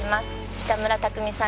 北村匠海さん